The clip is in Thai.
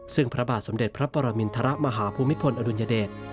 ซึ่งพระบาทสมเด็จพระปรมินทรมาฮภูมิพลอดุลยเดช